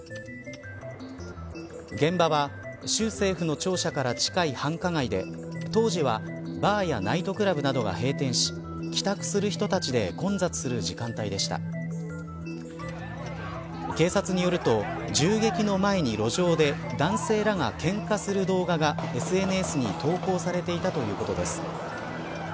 現場は、州政府の庁舎から近い繁華街で当時は、バーやナイトクラブなどが閉店し帰宅する人たちで混雑する時間帯でした警察によると銃撃の前に路上で男性らがけんかする動画がＳＮＳに投稿されていたということです。